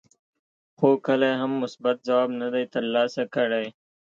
خو کله یې هم مثبت ځواب نه دی ترلاسه کړی.